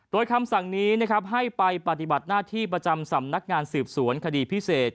โดยคำสั่งนี้นะครับให้ไปปฏิบัติหน้าที่ประจำสำนักงานสืบสวนคดีพิเศษ